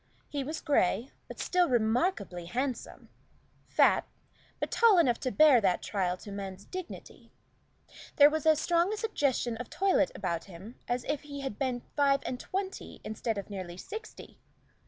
He was gray, but still remarkably handsome; fat, but tall enough to bear that trial to man's dignity. There was as strong a suggestion of toilette about him as if he had been five and twenty instead of nearly sixty.